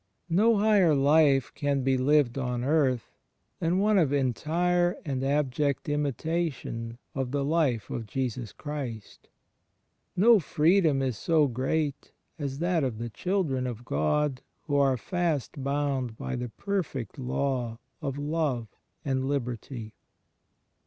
No higher life can be lived on earth than one of entire and abject imitation of the Life of Jesus Christ : no freedom is so great as that of the children of God who are fast boimd by the perfect Law of Love and Liberty.